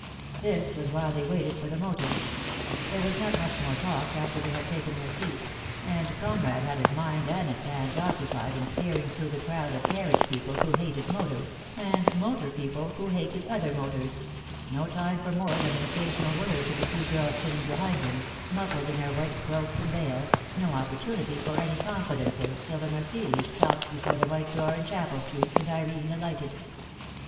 This was while they waited for the motor. There was not much more talk after they had taken their seats, and Conrad had his mind and his hands 2l6 DEAD LOVE HAS CHAINS. occupied in steering through the crowd of carriage people who hated motors, and motor people who hated other motors; no time for more than an oc casional word to the two girls sitting behind him, muffled in their white cloaks and veils, no oppor tunity for any confidences till the Mercedes stopped before the white door in Chapel Street and Irene alighted.